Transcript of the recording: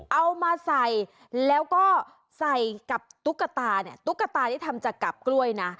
เอามาใส่แล้วก็ใส่กับตุ๊กตาเนี่ยตุ๊กตาที่ทำจากกับกล้วยนะ